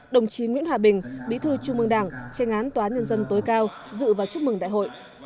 đồng chí nguyễn hòa bình bí thư trung mương đảng tranh án tòa án nhân dân tối cao dự và chúc mừng đại hội